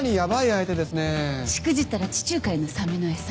しくじったら地中海のサメの餌。